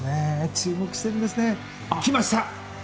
注目してるんですね。来ました！